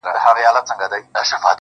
څو؛ د ژوند په دې زوال کي کړې بدل.